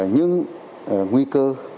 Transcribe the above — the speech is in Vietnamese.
nhưng nguy cơ